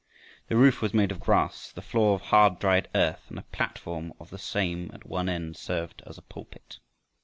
The roof was made of grass, the floor of hard dried earth, and a platform of the same at one end served as a pulpit.